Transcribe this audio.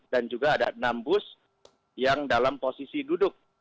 dan juga ada enam bus yang dalam posisi duduk